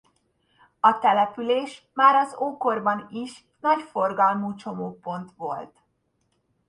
A település már az ókorban is nagy forgalmú csomópont volt.